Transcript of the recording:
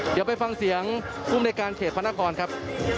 เดี๋ยวไปฟังเสียงภูมิในการเขตพระนครครับ